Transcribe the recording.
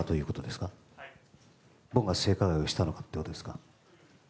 僕が性加害をしたのかということですか？